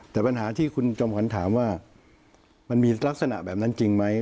แต่ปัญหาที่คุณจอมขวัญถามว่ามันมีลักษณะแบบนั้นจริงไหม